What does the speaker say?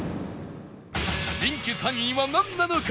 人気３位はなんなのか？